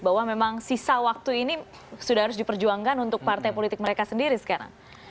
bahwa memang sisa waktu ini sudah harus diperjuangkan untuk partai politik mereka sendiri sekarang